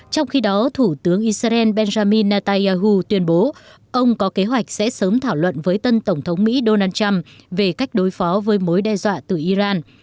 trong khi đó thủ tướng israel benjamin netanyahu tuyên bố ông có kế hoạch sẽ sớm thảo luận với tân tổng thống mỹ donald trump về cách đối phó với mối đe dọa từ iran